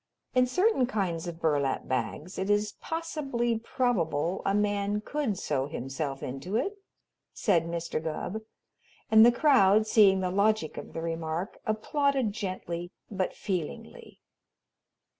"In certain kinds of burlap bags it is possibly probable a man could sew himself into it," said Mr. Gubb, and the crowd, seeing the logic of the remark applauded gently but feelingly.